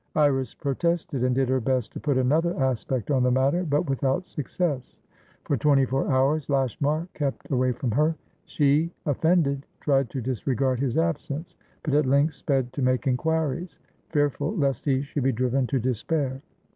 Iris protested, and did her best to put another aspect on the matter, but without success. For twenty four hours, Lashmar kept away from her; she, offended, tried to disregard his absence, but at length sped to make inquiries, fearful lest he should be driven to despair.